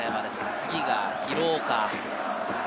次が廣岡。